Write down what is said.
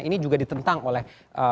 ini juga ditentang oleh